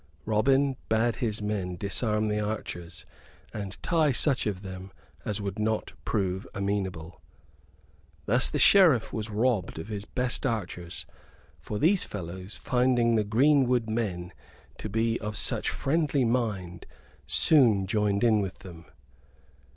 Robin bade his men disarm the archers, and tie such of them as would not prove amenable. Thus the Sheriff was robbed of his best archers; for these fellows, finding the greenwood men to be of such friendly mind, soon joined in with them.